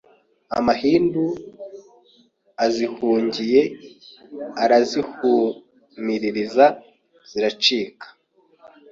Amahindu azihungiye Arazihumiririza ziracika